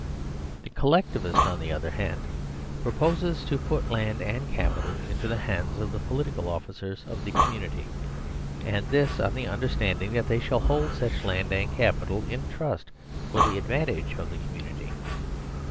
The Collectivist, on the other hand, proposes to put land and capital into the hands of the political officers of the community, and this on the understanding that they shall hold such land and capital in trust for the advantage of the community.